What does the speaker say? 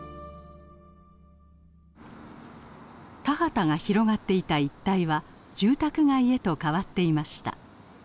田畑が広がっていた一帯は住宅街へと変わっていました。